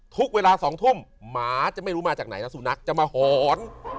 ทุกเวลา๒ทุ่มหมาจะไม่รู้มาจากไหนแล้วสุนัขจะมาหอน